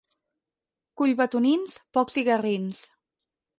Collbatonins, pocs i garrins.